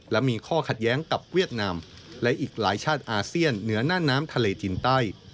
และมีข้อขัดแย้งกับเวียดนามและอีกหลายชาติอาเซียนเหนือหน้าน้ำทะเลจินใต้